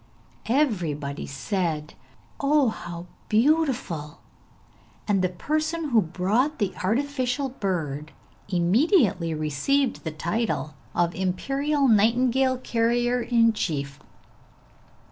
Everybody said, 'Oh, how beautiful!' And the person who brought the artificial bird immediately received the title of Imperial Nightingale Carrier in Chief.